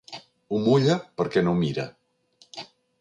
Ho mulla perquè no mira.